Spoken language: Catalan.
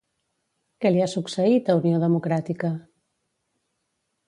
Què li ha succeït a Unió Democràtica?